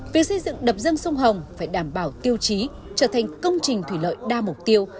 việc xây dựng đập dâng sông hồng phải đảm bảo tiêu chí trở thành công trình thủy lợi đa mục tiêu